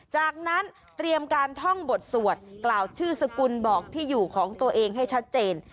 จากนั้นเตรียมการท่องบทสวดกล่าวชื่อสกุลบอกที่อยู่ของตัวเองให้ชัดเจน